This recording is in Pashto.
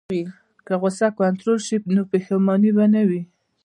که غوسه کنټرول شي، نو پښیماني به نه وي.